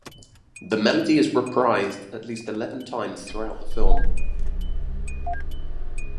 The melody is reprised at least eleven times throughout the film.